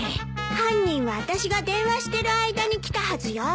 犯人はあたしが電話してる間に来たはずよ。